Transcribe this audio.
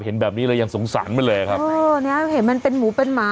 เห็นแบบนี้เรายังสงสารมันเลยอะครับเออเนี้ยเห็นมันเป็นหมูเป็นหมา